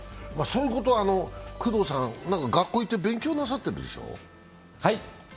そのことは工藤さん、学校に行って勉強なさっているんでしょう？